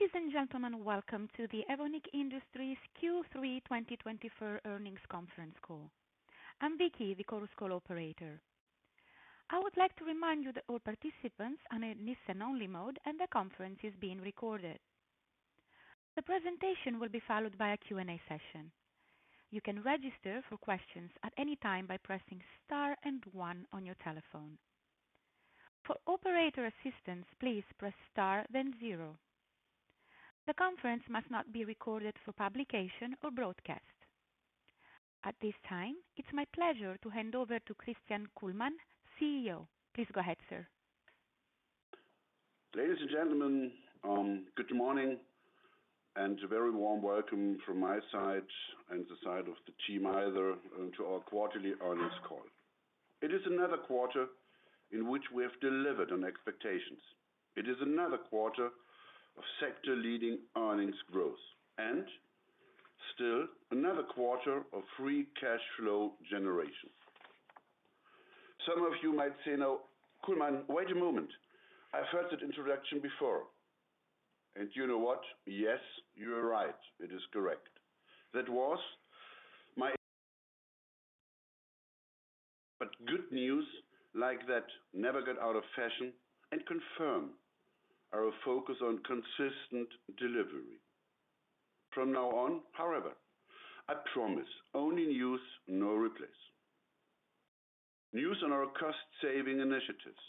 Ladies and gentlemen, welcome to the Evonik Industries Q3 2024 earnings conference call. I'm Vicky, the call operator. I would like to remind you that all participants are in a listen-only mode and the conference is being recorded. The presentation will be followed by a Q&A session. You can register for questions at any time by pressing star and one on your telephone. For operator assistance, please press star, then zero. The conference must not be recorded for publication or broadcast. At this time, it's my pleasure to hand over to Christian Kullmann, CEO. Please go ahead, sir. Ladies and gentlemen, good morning and a very warm welcome from my side and the side of the team to our quarterly earnings call. It is another quarter in which we have delivered on expectations. It is another quarter of sector-leading earnings growth and still another quarter of free cash flow generation. Some of you might say, "Now, Kullmann, wait a moment. I've heard that introduction before." You know what? Yes, you're right. It is correct. That was mine, but good news like that never gets out of fashion and confirms our focus on consistent delivery. From now on, however, I promise only news, no repeats. News on our cost-saving initiatives,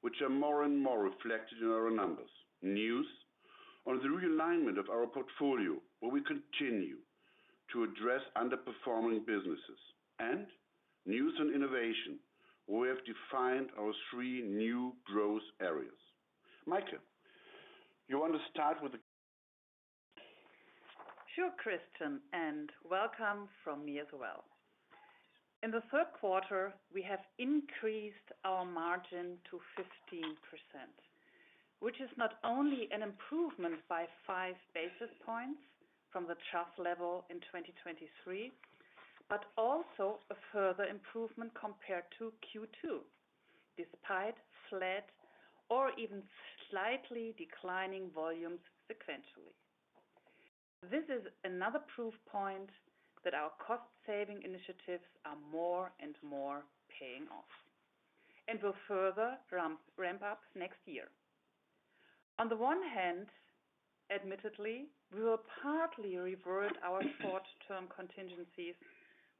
which are more and more reflected in our numbers. News on the realignment of our portfolio, where we continue to address underperforming businesses, and news on innovation, where we have defined our three new growth areas. Maike, you want to start with the. Sure, Christian, and welcome from me as well. In the third quarter, we have increased our margin to 15%, which is not only an improvement by five basis points from the trough level in 2023, but also a further improvement compared to Q2, despite flat or even slightly declining volumes sequentially. This is another proof point that our cost-saving initiatives are more and more paying off and will further ramp up next year. On the one hand, admittedly, we will partly revert our short-term contingencies,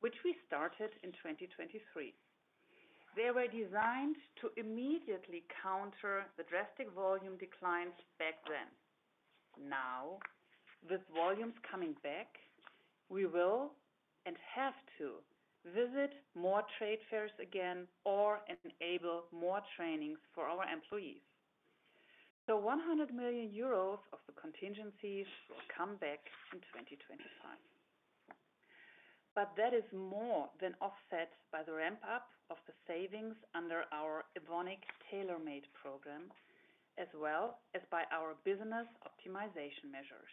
which we started in 2023. They were designed to immediately counter the drastic volume declines back then. Now, with volumes coming back, we will and have to visit more trade fairs again or enable more trainings for our employees. So 100 million euros of the contingencies will come back in 2025. But that is more than offset by the ramp-up of the savings under our Evonik Tailor-Made program, as well as by our business optimization measures.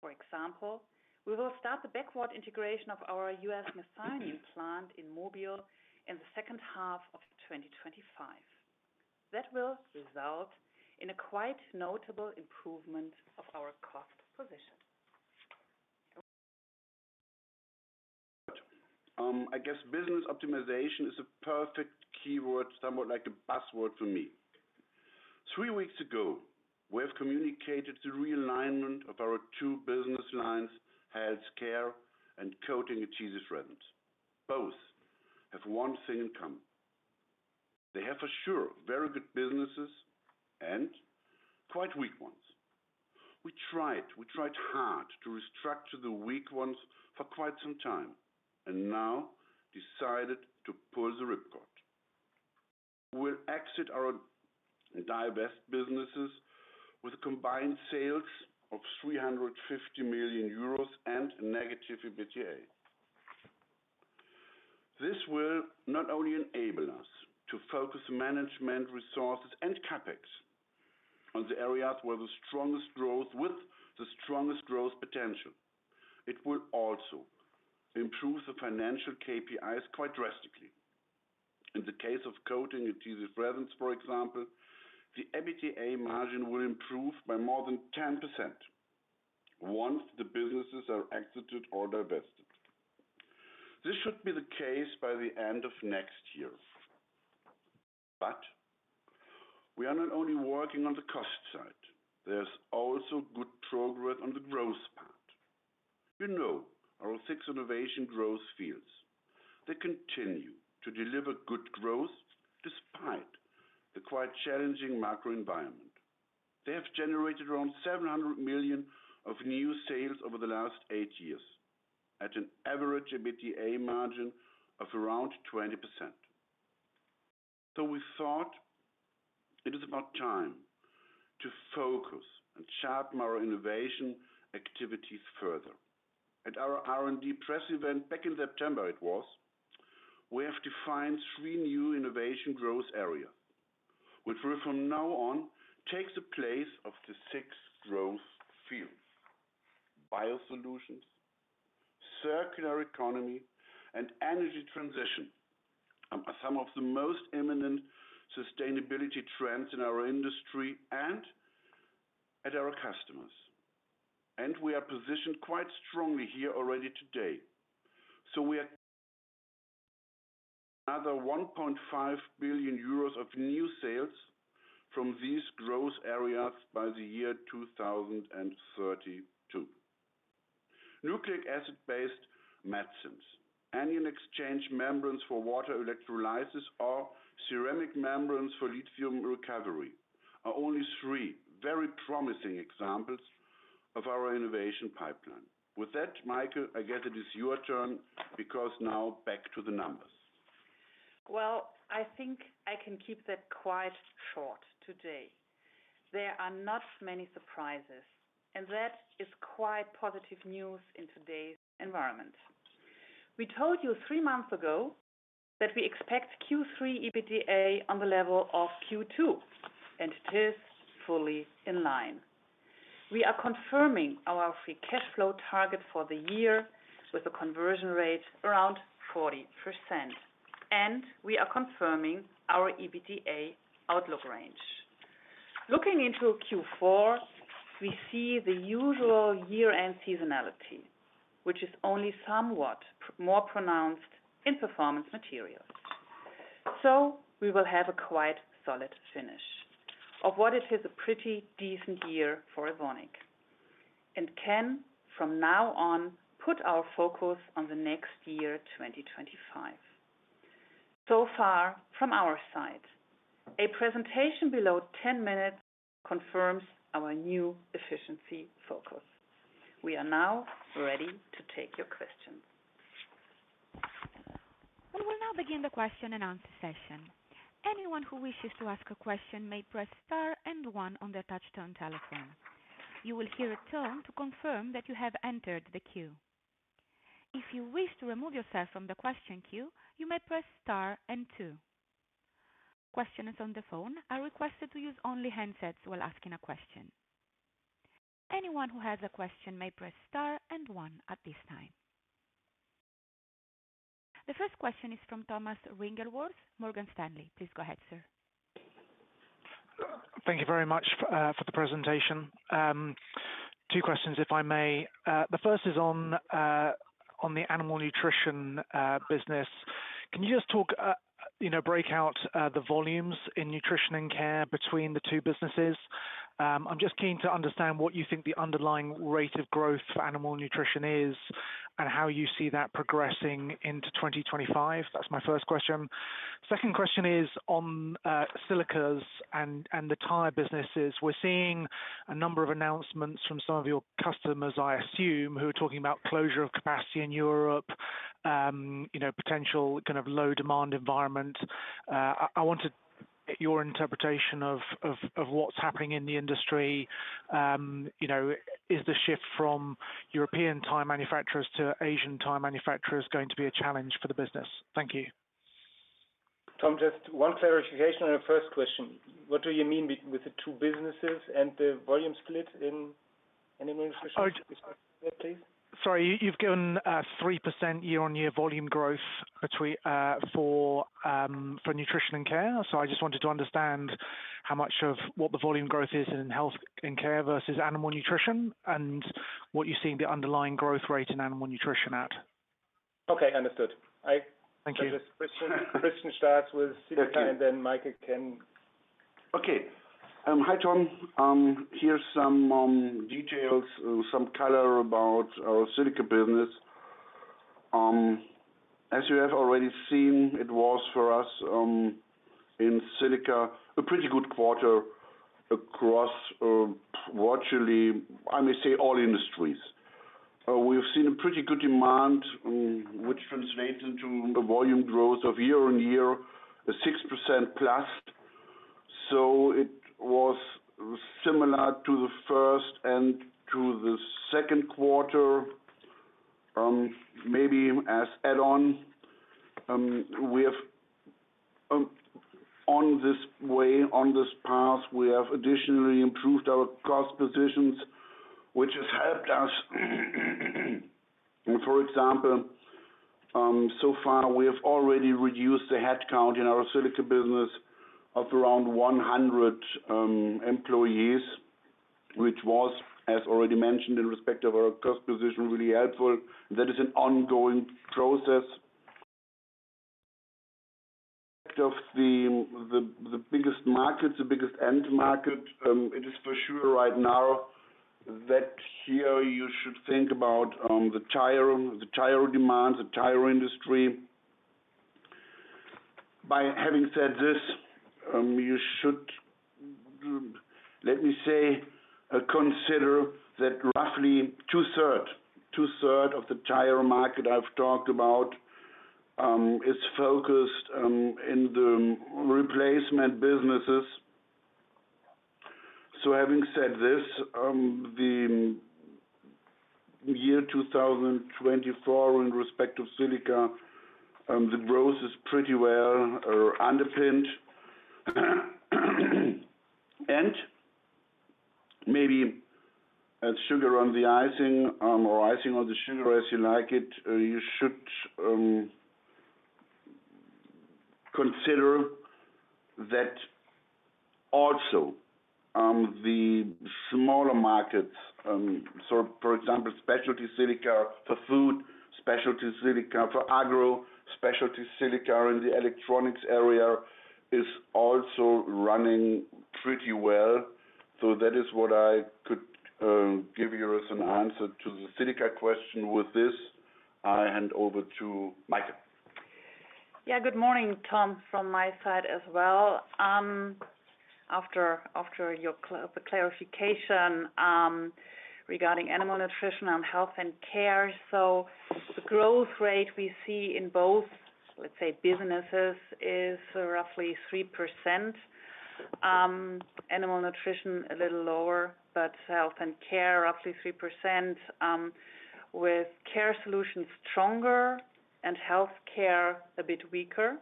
For example, we will start the backward integration of our U.S. methionine plant in Mobile in the second half of 2025. That will result in a quite notable improvement of our cost position. Right. I guess business optimization is a perfect keyword, somewhat like a buzzword for me. Three weeks ago, we have communicated the realignment of our two business lines, Healthcare and Coating & Adhesive Resins. Both have one thing in common. They have for sure very good businesses and quite weak ones. We tried, we tried hard to restructure the weak ones for quite some time and now decided to pull the ripcord. We'll exit our divested businesses with a combined sales of 350 million euros and a negative EBITDA. This will not only enable us to focus management resources and CapEx on the areas where the strongest growth with the strongest growth potential. It will also improve the financial KPIs quite drastically. In the case of Coating & Adhesive Resins, for example, the EBITDA margin will improve by more than 10% once the businesses are exited or divested. This should be the case by the end of next year. But we are not only working on the cost side. There is also good progress on the growth part. You know our six innovation growth fields. They continue to deliver good growth despite the quite challenging macro environment. They have generated around 700 million of new sales over the last eight years at an average EBITDA margin of around 20%. So we thought it is about time to focus and sharpen our innovation activities further. At our R&D press event back in September, we have defined three new innovation growth areas, which from now on takes the place of the six growth fields: Biosolutions, Circular Economy, and Energy Transition are some of the most eminent sustainability trends in our industry and at our customers. We are positioned quite strongly here already today. So we are another 1.5 billion euros of new sales from these growth areas by the year 2032. Nucleic acid-based medicines, anion exchange membranes for water electrolysis, or ceramic membranes for lithium recovery are only three very promising examples of our innovation pipeline. With that, Maike, I guess it is your turn because now back to the numbers. I think I can keep that quite short today. There are not many surprises, and that is quite positive news in today's environment. We told you three months ago that we expect Q3 EBITDA on the level of Q2, and it is fully in line. We are confirming our free cash flow target for the year with a conversion rate around 40%, and we are confirming our EBITDA outlook range. Looking into Q4, we see the usual year-end seasonality, which is only somewhat more pronounced in performance materials. We will have a quite solid finish of what it is a pretty decent year for Evonik and can from now on put our focus on the next year, 2025. Far from our side, a presentation below 10 minutes confirms our new efficiency focus. We are now ready to take your questions. We will now begin the question and answer session. Anyone who wishes to ask a question may press star and one on the touch-tone telephone. You will hear a tone to confirm that you have entered the queue. If you wish to remove yourself from the question queue, you may press star and two. Questioners on the phone are requested to use only handsets while asking a question. Anyone who has a question may press star and one at this time. The first question is from Thomas Wrigglesworth, Morgan Stanley. Please go ahead, sir. Thank you very much for the presentation. Two questions, if I may. The first is on the Animal Nutrition business. Can you just talk, break out the volumes in nutrition and care between the two businesses? I'm just keen to understand what you think the underlying rate of growth for Animal Nutrition is and how you see that progressing into 2025. That's my first question. Second question is on Silica's and the tire businesses. We're seeing a number of announcements from some of your customers, I assume, who are talking about closure of capacity in Europe, potential kind of low-demand environment. I wanted your interpretation of what's happening in the industry. Is the shift from European tire manufacturers to Asian tire manufacturers going to be a challenge for the business? Thank you. Tom, just one clarification on your first question. What do you mean with the two businesses and the volume split in Animal Nutrition? Sorry, you've given a 3% year-on-year volume growth for Nutrition & Care. So I just wanted to understand how much of what the volume growth is in Healthcare versus Animal Nutrition and what you see the underlying growth rate in Animal Nutrition at. Okay, understood. Thank you. Christian starts with Silica and then Maike can. Okay. Hi, Tom. Here's some details, some color about our Silica business. As you have already seen, it was for us in Silica a pretty good quarter across virtually, I may say, all industries. We've seen a pretty good demand, which translates into a volume growth of year-on-year, a 6% plus, so it was similar to the first and to the second quarter, maybe as add-on. On this path, we have additionally improved our cost positions, which has helped us. For example, so far, we have already reduced the headcount in our Silica business of around 100 employees, which was, as already mentioned in respect of our cost position, really helpful. That is an ongoing process. Of the biggest markets, the biggest end market, it is for sure right now that here you should think about the tire demand, the tire industry. By having said this, you should, let me say, consider that roughly two-thirds of the tire market I've talked about is focused in the replacement businesses. So having said this, the year 2024 in respect to Silica, the growth is pretty well underpinned. Maybe sugar on the icing or icing on the sugar, as you like it, you should consider that also the smaller markets, for example, specialty silica for food, specialty silica for agro, specialty silica in the electronics area is also running pretty well. So that is what I could give you as an answer to the Silica question with this. I hand over to Maike. Yeah, good morning, Tom, from my side as well. After your clarification regarding Animal Nutrition and Health and Care, so the growth rate we see in both, let's say, businesses is roughly 3%. Animal Nutrition a little lower, but Health and Care roughly 3%, with Care Solutions stronger and Healthcare a bit weaker.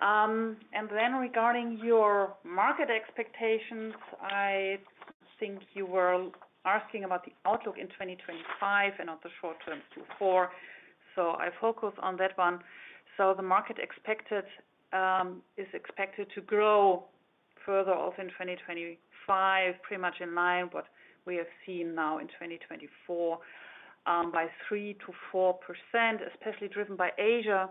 And then regarding your market expectations, I think you were asking about the outlook in 2025 and on the short-term Q4. So I focus on that one. So the market is expected to grow further also in 2025, pretty much in line with what we have seen now in 2024, by 3%-4%, especially driven by Asia,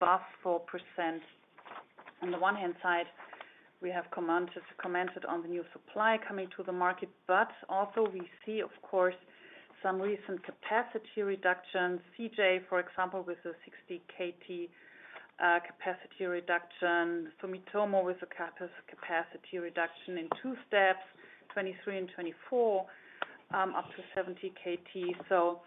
about 4%. On the one hand side, we have commented on the new supply coming to the market, but also we see, of course, some recent capacity reductions, CJ, for example, with a 60 KT capacity reduction, Sumitomo with a capacity reduction in two steps, 2023 and 2024, up to 70 KT. So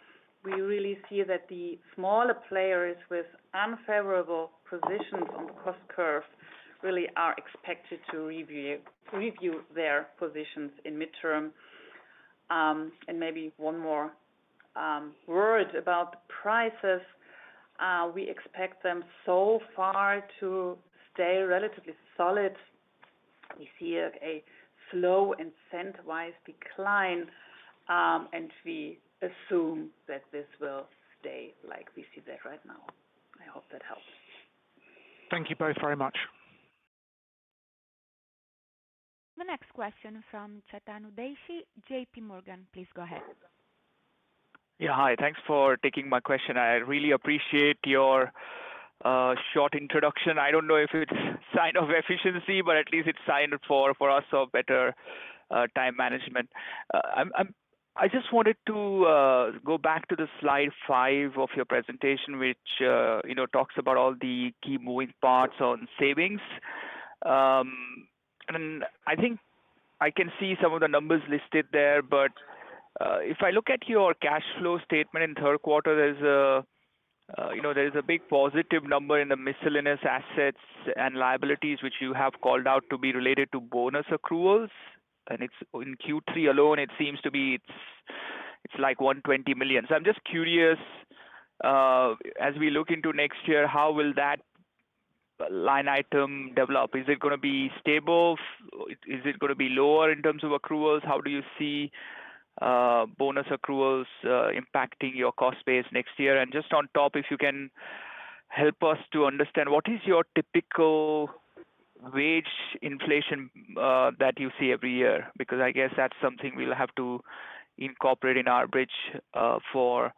we really see that the smaller players with unfavorable positions on the cost curve really are expected to review their positions in mid-term. And maybe one more word about the prices. We expect them so far to stay relatively solid. We see a slow and cent-wise decline, and we assume that this will stay like we see that right now. I hope that helps. Thank you both very much. The next question from Chetan Udeshi, J.P. Morgan, please go ahead. Yeah, hi. Thanks for taking my question. I really appreciate your short introduction. I don't know if it's a sign of efficiency, but at least it's a sign for us of better time management. I just wanted to go back to the slide five of your presentation, which talks about all the key moving parts on savings. And I think I can see some of the numbers listed there, but if I look at your cash flow statement in third quarter, there is a big positive number in the miscellaneous assets and liabilities, which you have called out to be related to bonus accruals. And in Q3 alone, it seems to be like 120 million. So I'm just curious, as we look into next year, how will that line item develop? Is it going to be stable? Is it going to be lower in terms of accruals? How do you see bonus accruals impacting your cost base next year? And just on top, if you can help us to understand, what is your typical wage inflation that you see every year? Because I guess that's something we'll have to incorporate in our bridge for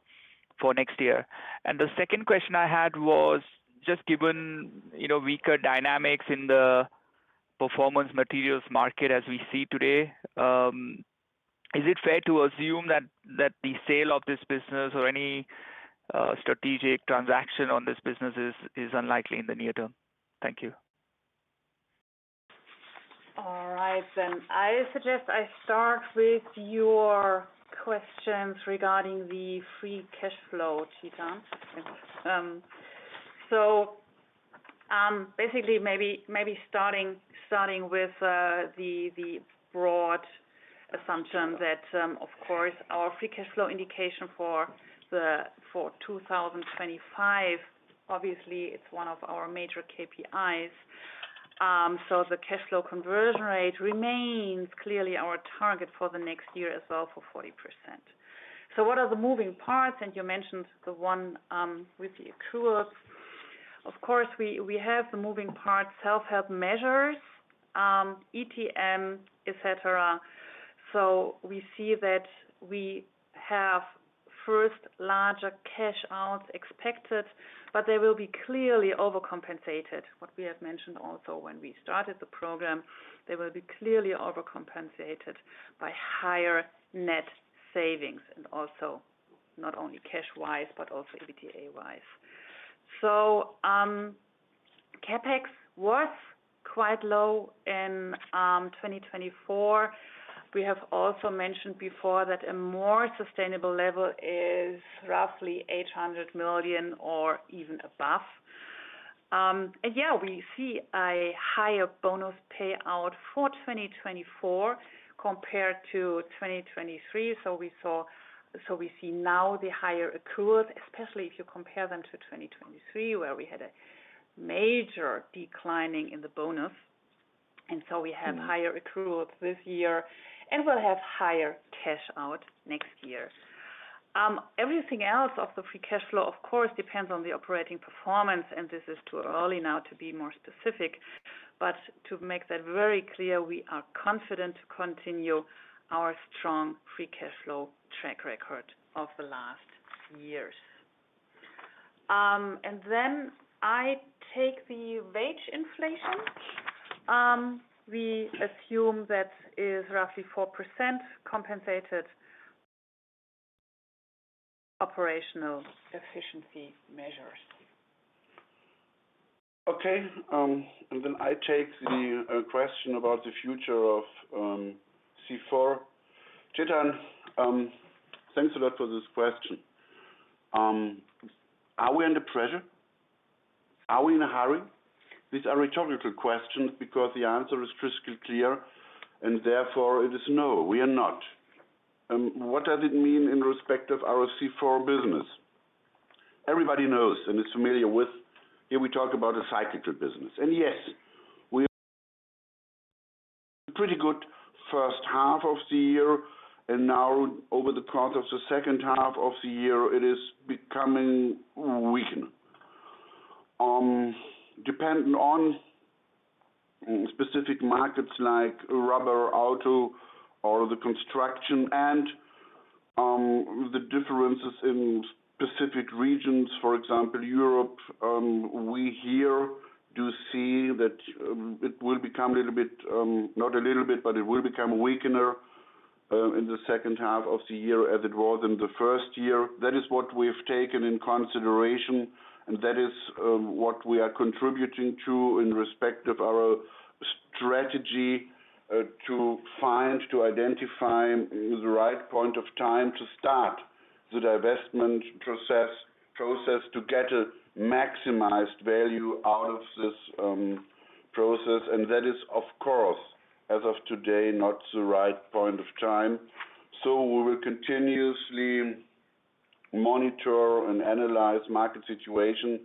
next year. And the second question I had was, just given weaker dynamics in the performance materials market as we see today, is it fair to assume that the sale of this business or any strategic transaction on this business is unlikely in the near term? Thank you. All right. Then I suggest I start with your questions regarding the free cash flow, Chetan. So basically, maybe starting with the broad assumption that, of course, our free cash flow indication for 2025, obviously, it's one of our major KPIs. So the cash flow conversion rate remains clearly our target for the next year as well for 40%. So what are the moving parts? And you mentioned the one with the accruals. Of course, we have the moving parts, self-help measures, ETM, etc. So we see that we have first larger cash outs expected, but they will be clearly overcompensated. What we have mentioned also when we started the program, they will be clearly overcompensated by higher net savings, and also not only cash-wise, but also EBITDA-wise. So CapEx was quite low in 2024. We have also mentioned before that a more sustainable level is roughly 800 million or even above. Yeah, we see a higher bonus payout for 2024 compared to 2023. We see now the higher accruals, especially if you compare them to 2023, where we had a major decline in the bonus. We have higher accruals this year and will have higher cash out next year. Everything else of the free cash flow, of course, depends on the operating performance, and this is too early now to be more specific. To make that very clear, we are confident to continue our strong free cash flow track record of the last years. Then I take the wage inflation. We assume that is roughly 4% compensated operational efficiency measures. Okay. And then I take the question about the future of C4. Chetan, thanks a lot for this question. Are we under pressure? Are we in a hurry? These are rhetorical questions because the answer is crystal clear, and therefore it is no, we are not. What does it mean in respect of our C4 business? Everybody knows and is familiar with, here we talk about a cyclical business. And yes, we had a pretty good first half of the year, and now over the course of the second half of the year, it is becoming weakened. Dependent on specific markets like rubber, auto, or the construction, and the differences in specific regions, for example, Europe, we here do see that it will become a little bit, not a little bit, but it will become weaker in the second half of the year as it was in the first half. That is what we've taken in consideration, and that is what we are contributing to in respect of our strategy to find, to identify the right point of time to start the divestment process to get a maximized value out of this process. And that is, of course, as of today, not the right point of time. So we will continuously monitor and analyze the market situation,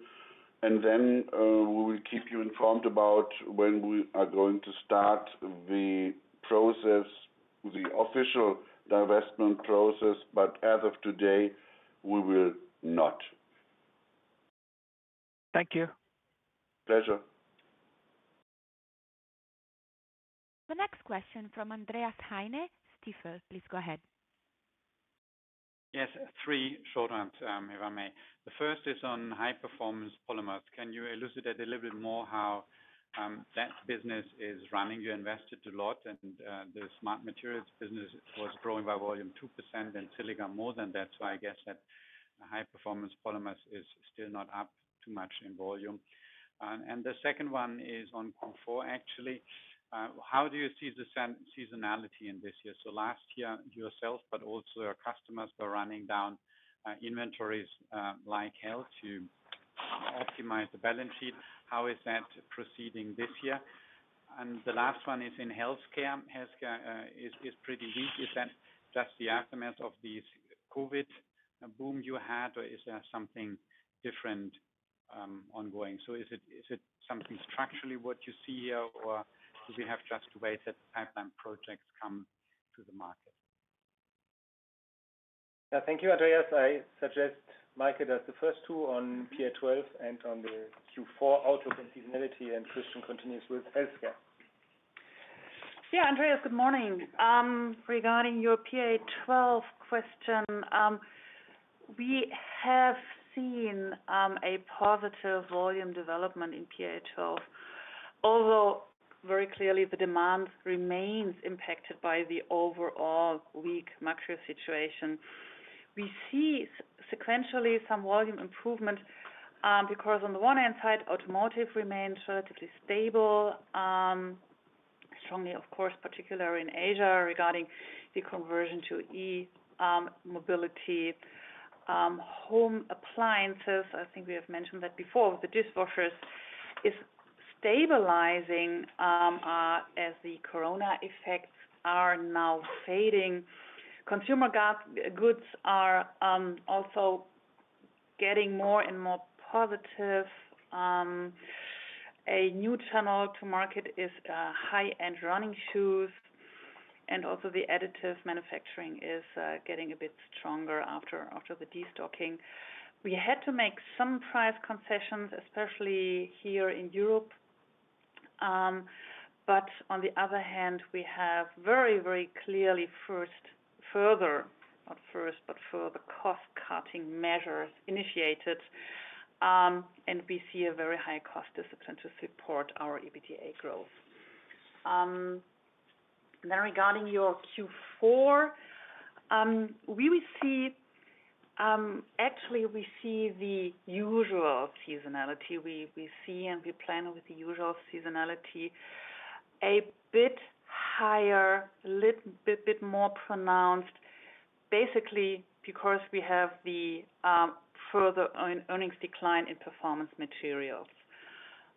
and then we will keep you informed about when we are going to start the process, the official divestment process, but as of today, we will not. Thank you. Pleasure. The next question from Andreas Heine, Stifel, please go ahead. Yes, three short ones, if I may. The first is on High Performance Polymers. Can you elucidate a little bit more how that business is running? You invested a lot, and the Smart Materials business was growing by volume 2%, and Silica more than that. So I guess that High Performance Polymers is still not up too much in volume. And the second one is on Q4, actually. How do you see the seasonality in this year? So last year, yourself, but also your customers were running down inventories like hell to optimize the balance sheet. How is that proceeding this year? And the last one is in Healthcare. Healthcare is pretty weak. Is that just the aftermath of this COVID boom you had, or is there something different ongoing? So is it something structurally what you see here, or do we have just to wait that pipeline projects come to the market? Yeah, thank you, Andreas. I suggest Maike does the first two on PA12 and on the Q4 outlook and seasonality, and Christian continues with Healthcare. Yeah, Andreas, good morning. Regarding your PA12 question, we have seen a positive volume development in PA12, although very clearly the demand remains impacted by the overall weak macro situation. We see sequentially some volume improvement because on the one hand side, automotive remains relatively stable, strongly, of course, particularly in Asia regarding the conversion to e-mobility. Home appliances, I think we have mentioned that before, the dishwashers are stabilizing as the corona effects are now fading. Consumer goods are also getting more and more positive. A new channel to market is high-end running shoes, and also the additive manufacturing is getting a bit stronger after the destocking. We had to make some price concessions, especially here in Europe. But on the other hand, we have very, very clearly further, not first, but further cost-cutting measures initiated, and we see a very high cost discipline to support our EBITDA growth. Then regarding your Q4, we see actually the usual seasonality. We see and we plan with the usual seasonality a bit higher, a bit more pronounced, basically because we have the further earnings decline in performance materials.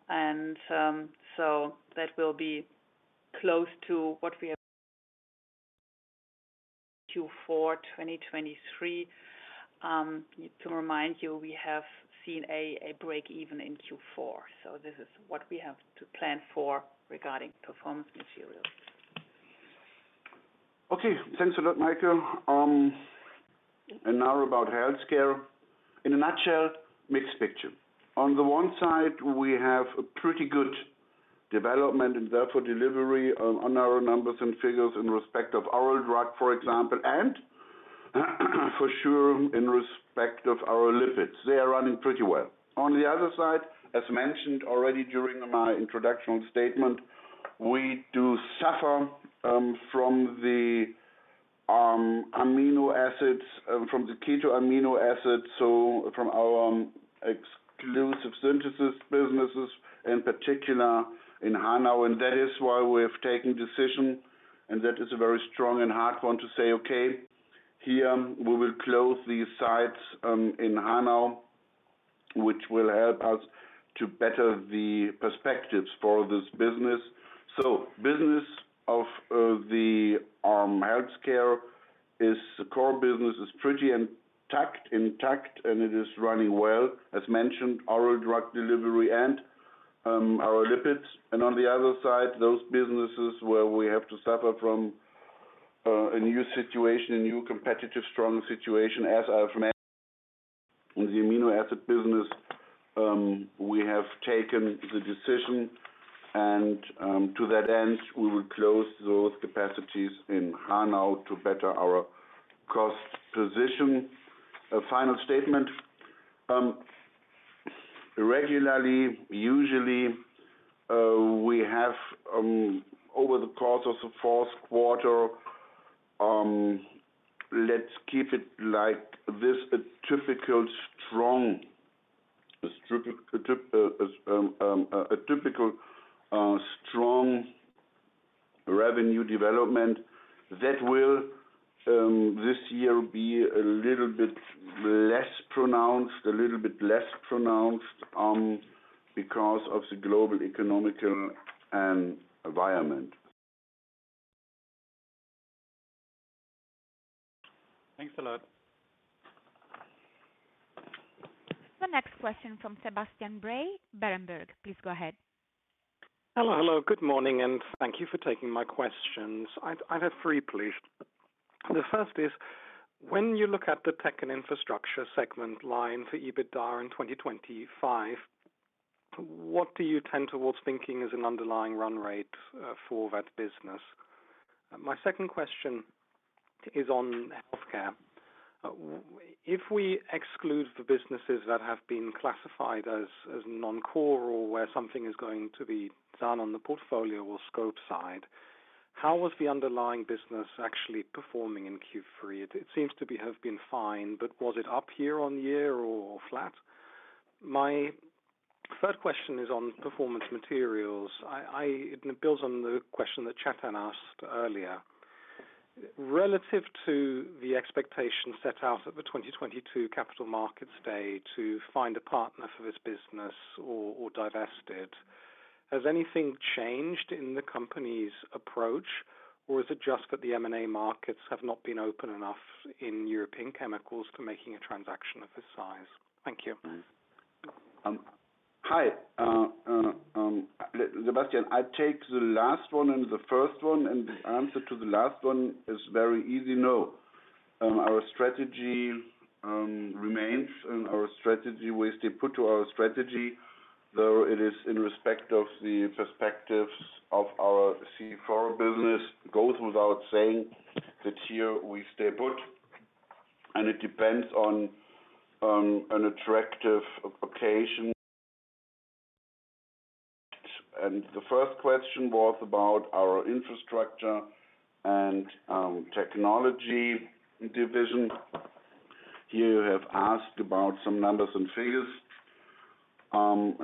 And so that will be close to what we have Q4 2023. To remind you, we have seen a break-even in Q4. So this is what we have to plan for regarding performance materials. Okay. Thanks a lot, Maike. And now about Healthcare. In a nutshell, mixed picture. On the one side, we have a pretty good development and therefore delivery on our numbers and figures in respect of our drug, for example, and for sure in respect of our lipids. They are running pretty well. On the other side, as mentioned already during my introduction statement, we do suffer from the amino acids, from the keto amino acids, so from our exclusive synthesis businesses in particular in Hanau. And that is why we have taken a decision, and that is a very strong and hard one to say, "Okay, here we will close these sites in Hanau," which will help us to better the perspectives for this business. So the business of the Healthcare core business is pretty intact, and it is running well, as mentioned, our drug delivery and our lipids. On the other side, those businesses where we have to suffer from a new situation, a new competitive strong situation, as I've mentioned, in the amino acid business, we have taken the decision, and to that end, we will close those capacities in Hanau to better our cost position. A final statement. Regularly, usually, we have over the course of the fourth quarter, let's keep it like this, a typical strong revenue development that will this year be a little bit less pronounced, a little bit less pronounced because of the global economic environment. Thanks a lot. The next question from Sebastian Bray, Berenberg, please go ahead. Hello, hello. Good morning, and thank you for taking my questions. I have three, please. The first is, when you look at the tech and infrastructure segment line for EBITDA in 2025, what do you tend towards thinking is an underlying run rate for that business? My second question is on Healthcare. If we exclude the businesses that have been classified as non-core or where something is going to be done on the portfolio or scope side, how was the underlying business actually performing in Q3? It seems to have been fine, but was it up year on year or flat? My third question is on performance materials. It builds on the question that Chetan asked earlier. Relative to the expectation set out at the 2022 capital markets day to find a partner for this business or divested it, has anything changed in the company's approach, or is it just that the M&A markets have not been open enough in European chemicals for making a transaction of this size? Thank you. Hi, Sebastian. I take the last one and the first one, and the answer to the last one is very easy: no. Our strategy remains in our strategy. We stay put to our strategy, though it is in respect of the perspectives of our C4 business. Goes without saying that here we stay put, and it depends on an attractive occasion. The first question was about our infrastructure and technology division. Here you have asked about some numbers and figures. I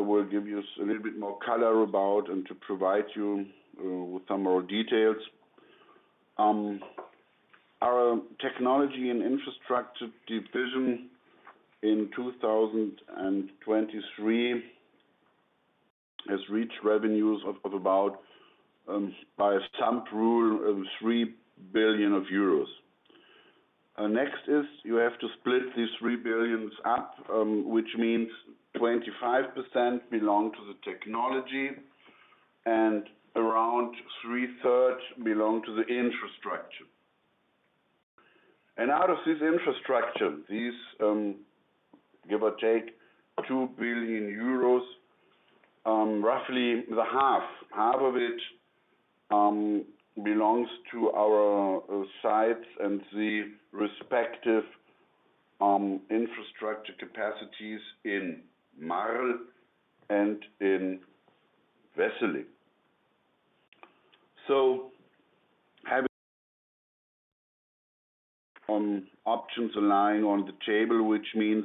will give you a little bit more color about and to provide you with some more details. Our Technology and Infrastructure division in 2023 has reached revenues of about, by some rule, 3 billion euros. Next, you have to split these 3 billion up, which means 25% belong to the technology and around two-thirds belong to the infrastructure. And out of this infrastructure, these give or take 2 billion euros, roughly the half, half of it belongs to our sites and the respective infrastructure capacities in Marl and in Wesseling. So having options lying on the table, which means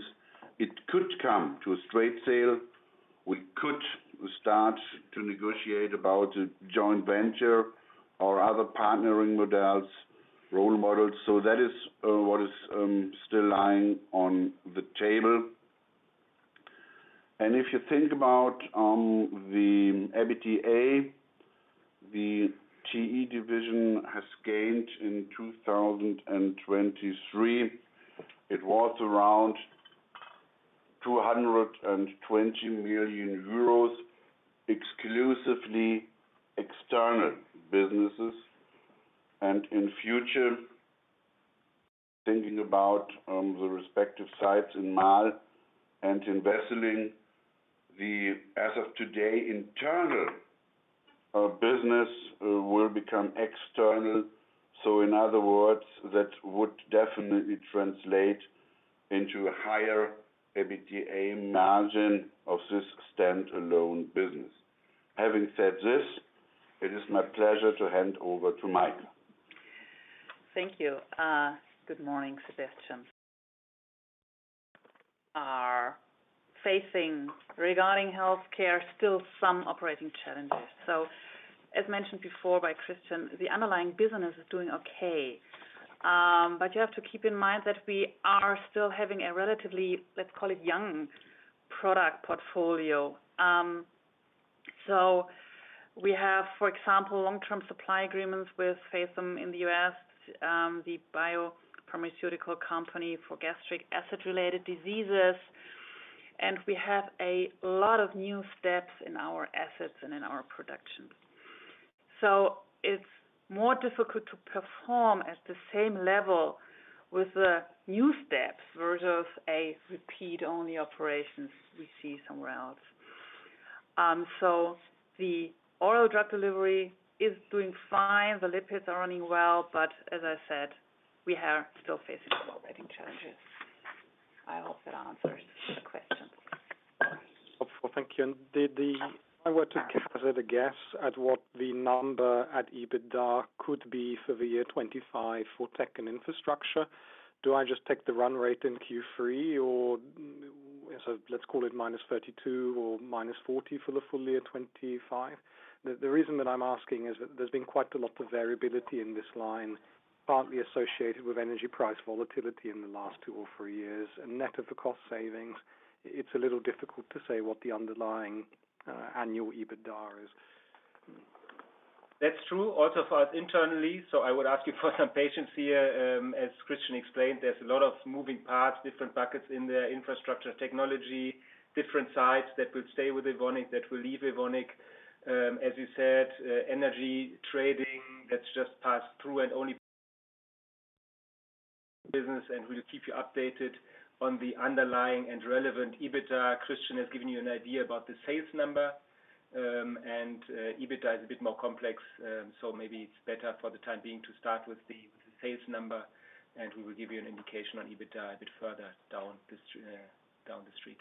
it could come to a straight sale, we could start to negotiate about a joint venture or other partnering models, role models. So that is what is still lying on the table. And if you think about the EBITDA, the TE division has gained in 2023. It was around 220 million euros exclusively external businesses. And in future, thinking about the respective sites in Marl and in Wesseling, as of today, internal business will become external. So in other words, that would definitely translate into a higher EBITDA margin of this standalone business. Having said this, it is my pleasure to hand over to Maike. Thank you. Good morning, Sebastian. Are facing regarding Healthcare, still some operating challenges. So as mentioned before by Christian, the underlying business is doing okay. But you have to keep in mind that we are still having a relatively, let's call it, young product portfolio. So we have, for example, long-term supply agreements with Phathom in the U.S., the biopharmaceutical company for gastric acid-related diseases. And we have a lot of new steps in our assets and in our production. So it's more difficult to perform at the same level with the new steps versus a repeat-only operation we see somewhere else. So the oral drug delivery is doing fine. The lipids are running well, but as I said, we are still facing some operating challenges. I hope that answers the question. Thank you. And if I were to gather the guess at what the number at EBITDA could be for the year 2025 for tech and infrastructure, do I just take the run rate in Q3 or, let's call it, minus €32 or minus €40 for the full year 2025? The reason that I'm asking is that there's been quite a lot of variability in this line, partly associated with energy price volatility in the last two or three years, and net of the cost savings, it's a little difficult to say what the underlying annual EBITDA is. That's true. Also, for us internally, so I would ask you for some patience here. As Christian explained, there's a lot of moving parts, different buckets in the infrastructure technology, different sites that will stay with Evonik, that will leave Evonik. As you said, energy trading, that's just passed through and only business, and we'll keep you updated on the underlying and relevant EBITDA. Christian has given you an idea about the sales number, and EBITDA is a bit more complex, so maybe it's better for the time being to start with the sales number, and we will give you an indication on EBITDA a bit further down the street.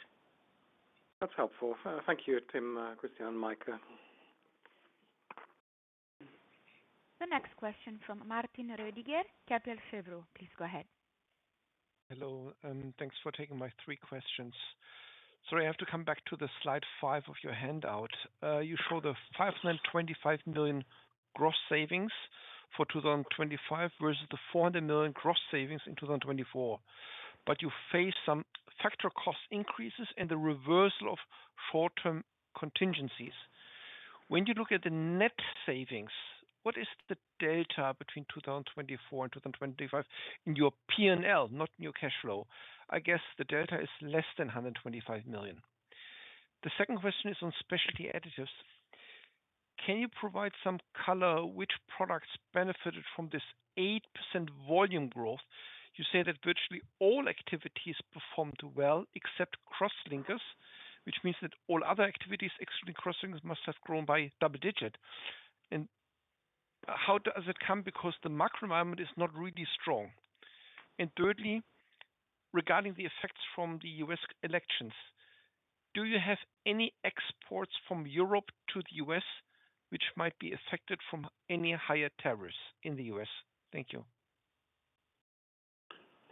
That's helpful. Thank you, Tim, Christian, and Maike. The next question from Martin Roediger, Kepler Cheuvreux. Please go ahead. Hello. Thanks for taking my three questions. Sorry, I have to come back to the slide five of your handout. You show the 525 million gross savings for 2025 versus the 400 million gross savings in 2024, but you face some factor cost increases and the reversal of short-term contingencies. When you look at the net savings, what is the delta between 2024 and 2025 in your P&L, not in your cash flow? I guess the delta is less than 125 million. The second question is on Specialty Additives. Can you provide some color which products benefited from this 8% volume growth? You say that virtually all activities performed well except crosslinkers, which means that all other activities excluding crosslinkers must have grown by double-digit. And how does it come? Because the macro environment is not really strong. Thirdly, regarding the effects from the U.S. elections, do you have any exports from Europe to the U.S. which might be affected from any higher tariffs in the U.S.? Thank you.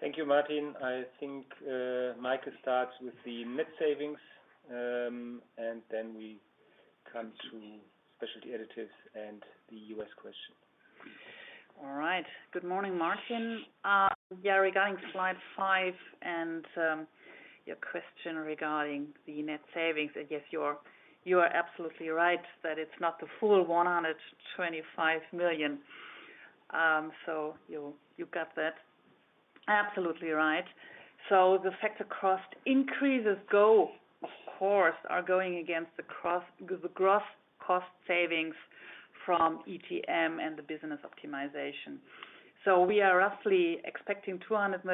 Thank you, Martin. I think Maike starts with the net savings, and then we come to Specialty Additives and the U.S. question. All right. Good morning, Martin. Yeah, regarding slide five and your question regarding the net savings, I guess you are absolutely right that it's not the full 125 million. So you got that. Absolutely right. So the factor cost increases, of course, are going against the gross cost savings from ETM and the business optimization. So we are roughly expecting 200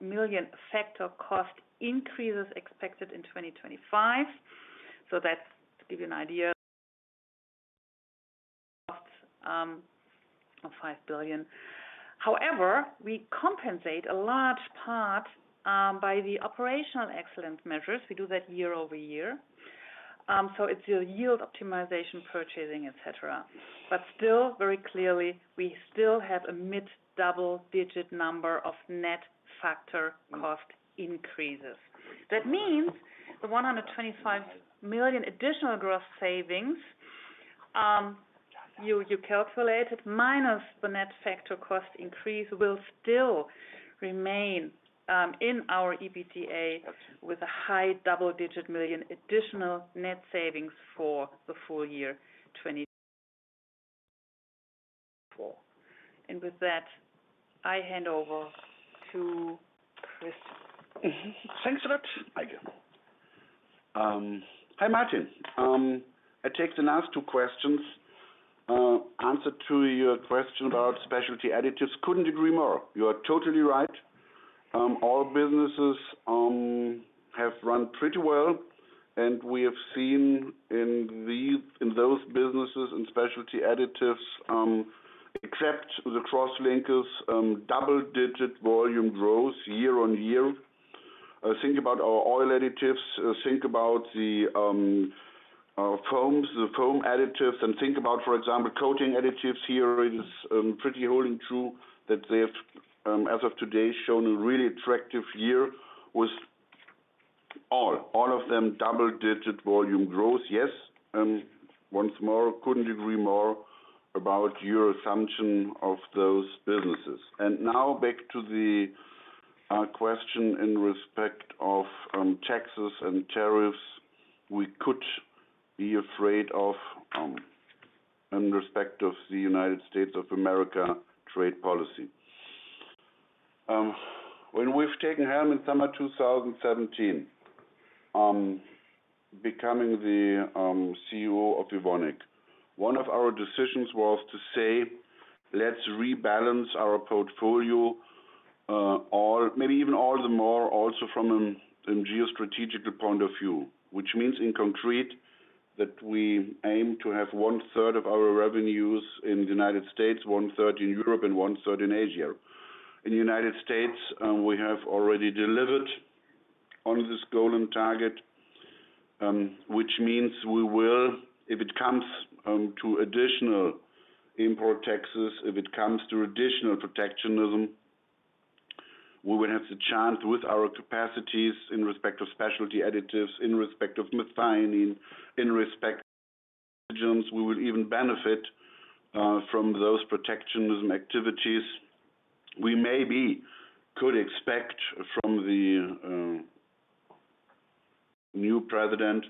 million factor cost increases expected in 2025. So that's to give you an idea of 5 billion. However, we compensate a large part by the operational excellence measures. We do that year over year. So it's yield optimization, purchasing, etc. But still, very clearly, we still have a mid-double digit number of net factor cost increases. That means the 125 million additional gross savings you calculated minus the net factor cost increase will still remain in our EBITDA with a high double-digit million additional net savings for the full year 2024. And with that, I hand over to Christian. Thanks a lot, Maike. Hi, Martin. I take the last two questions. Answer to your question about Specialty Additives, couldn't agree more. You are totally right. All businesses have run pretty well, and we have seen in those businesses and Specialty Additives, except the crosslinkers, double-digit volume growth year on year. Think about our oil additives. Think about the foams, the foam additives, and think about, for example, coating additives. Here it is pretty holding true that they have, as of today, shown a really attractive year with all of them double-digit volume growth. Yes. Once more, couldn't agree more about your assumption of those businesses. Now back to the question in respect of taxes and tariffs we could be afraid of in respect of the United States of America trade policy. When we've taken the helm in summer 2017, becoming the CEO of Evonik, one of our decisions was to say, "Let's rebalance our portfolio, maybe even all the more, also from a geostrategical point of view," which means in concrete that we aim to have one-third of our revenues in the United States, one-third in Europe, and one-third in Asia. In the United States, we have already delivered on this goal and target, which means we will, if it comes to additional import taxes, if it comes to additional protectionism, we will have the chance with our capacities in respect of Specialty Additives, in respect of Methionine, in respect of amino acids. We will even benefit from those protectionism activities. We maybe could expect from the new president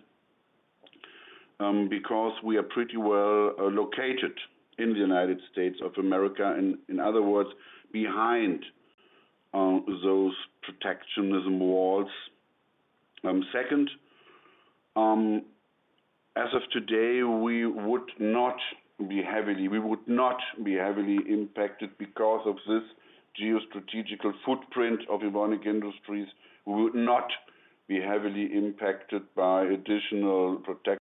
because we are pretty well located in the United States of America, in other words, behind those protectionism walls. Second, as of today, we would not be heavily impacted because of this geostrategic footprint of Evonik Industries. We would not be heavily impacted by additional protectionism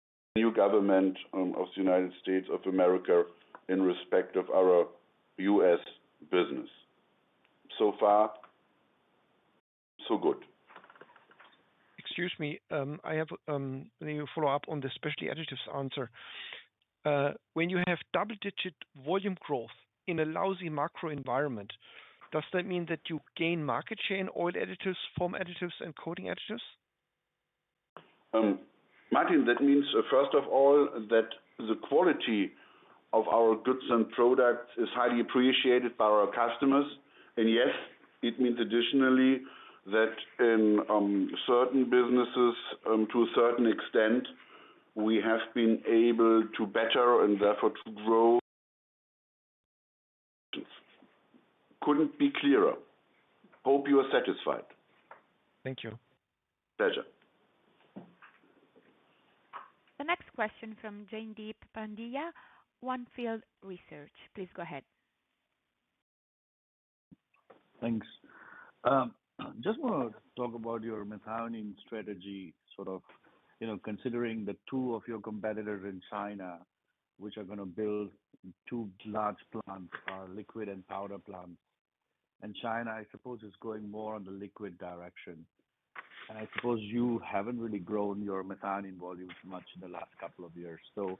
by the new government of the United States of America in respect of our US business. So far, so good. Excuse me, I have a follow-up on the Specialty Additives answer. When you have double-digit volume growth in a lousy macro environment, does that mean that you gain market share in oil additives, foam additives, and coating additives? Martin, that means, first of all, that the quality of our goods and products is highly appreciated by our customers. And yes, it means additionally that in certain businesses, to a certain extent, we have been able to better and therefore to grow. Couldn't be clearer. Hope you are satisfied. Thank you. Pleasure. The next question from Jaideep Pandya, On Field Investment Research. Please go ahead. Thanks. Just want to talk about your methionine strategy, sort of considering the two of your competitors in China, which are going to build two large plants, liquid and powder plants, and China, I suppose, is going more on the liquid direction, and I suppose you haven't really grown your methionine volumes much in the last couple of years, so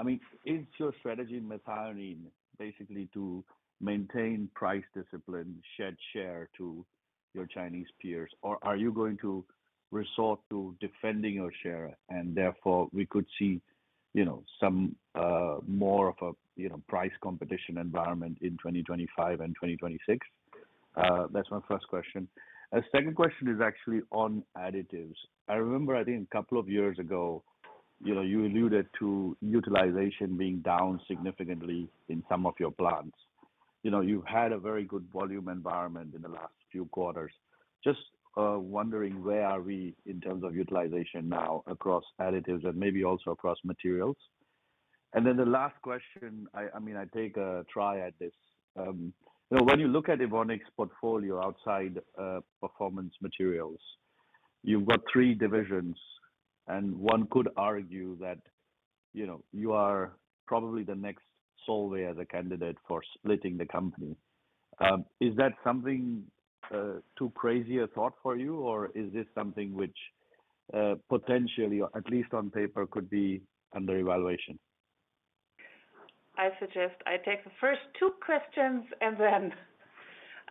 I mean, is your strategy in methionine basically to maintain price discipline, shed share to your Chinese peers, or are you going to resort to defending your share, and therefore we could see some more of a price competition environment in 2025 and 2026. That's my first question. The second question is actually on additives. I remember, I think, a couple of years ago, you alluded to utilization being down significantly in some of your plants. You've had a very good volume environment in the last few quarters. Just wondering, where are we in terms of utilization now across additives and maybe also across materials? And then the last question, I mean, I take a try at this. When you look at Evonik's portfolio outside performance materials, you've got three divisions, and one could argue that you are probably the next Solvay as a candidate for splitting the company. Is that something too crazy a thought for you, or is this something which potentially, or at least on paper, could be under evaluation? I suggest I take the first two questions, and then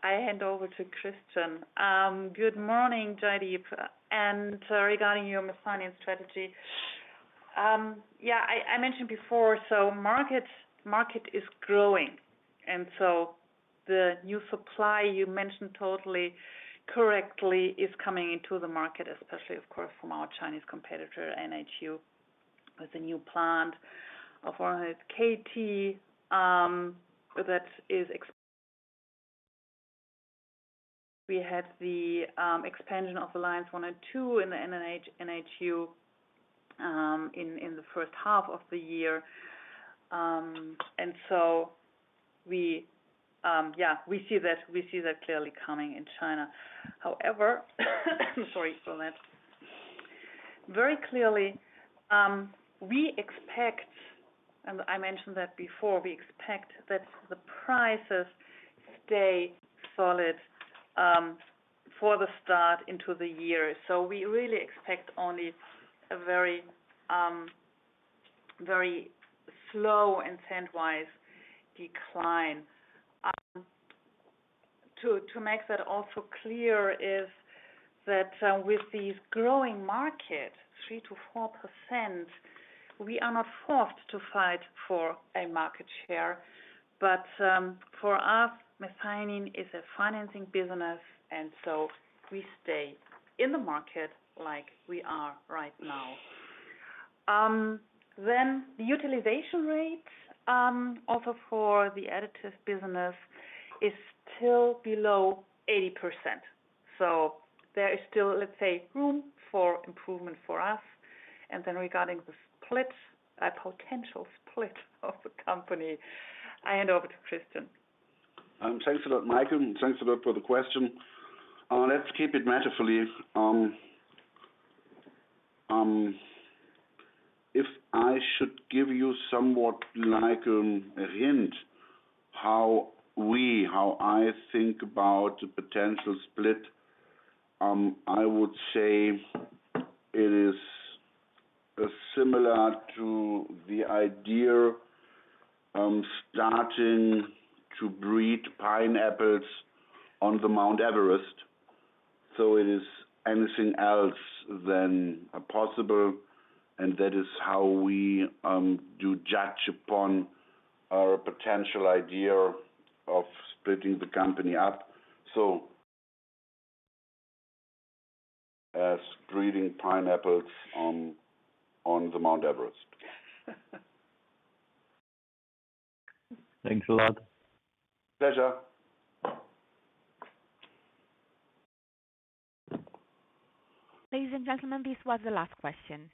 I hand over to Christian. Good morning, Jaideep. And regarding your methionine strategy, yeah, I mentioned before, so market is growing. And so the new supply, you mentioned totally correctly, is coming into the market, especially, of course, from our Chinese competitor, NHU, with a new plant of 100 KT that is expanding. We had the expansion of lines one and two in the NHU in the first half of the year. And so, yeah, we see that clearly coming in China. However, I'm sorry for that. Very clearly, we expect, and I mentioned that before, we expect that the prices stay solid for the start into the year. So we really expect only a very slow and trend-wise decline. To make that also clear is that with these growing markets, 3%-4%, we are not forced to fight for a market share. But for us, methionine is a financing business, and so we stay in the market like we are right now. Then the utilization rate also for the additive business is still below 80%. So there is still, let's say, room for improvement for us. And then regarding the split, a potential split of the company, I hand over to Christian. Thanks a lot, Maike. And thanks a lot for the question. Let's keep it matter-of-factly. If I should give you something like a hint how I think about the potential split, I would say it is similar to the idea of starting to breed pineapples on the Mount Everest. So it is anything but possible. And that is how we do judge upon our potential idea of splitting the company up. So breeding pineapples on the Mount Everest. Thanks a lot. Pleasure. Ladies and gentlemen, this was the last question.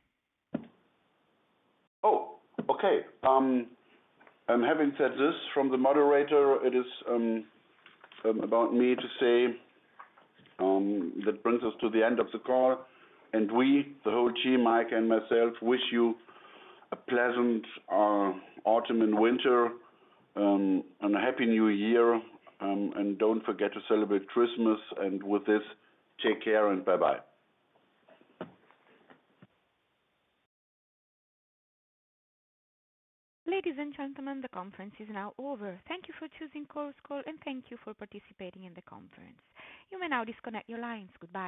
Oh, okay. Having said this, from the moderator, it is up to me to say that brings us to the end of the call, and we, the whole team, Maike and myself, wish you a pleasant autumn and winter and a happy new year, and don't forget to celebrate Christmas, and with this, take care and bye-bye. Ladies and gentlemen, the conference is now over. Thank you for choosing Chorus Call, and thank you for participating in the conference. You may now disconnect your lines. Goodbye.